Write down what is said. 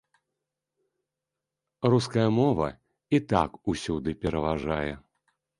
Руская мова і так усюды пераважае.